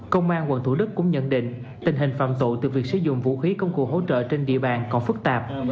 công an quận thủ đức cũng nhận định tình hình phạm tội từ việc sử dụng vũ khí công cụ hỗ trợ trên địa bàn còn phức tạp